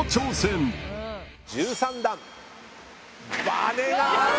バネがある！